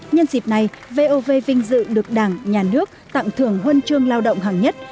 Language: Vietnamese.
nhân dịp này vov vinh dự được đảng nhà nước tặng thưởng huân chương lao động hàng nhất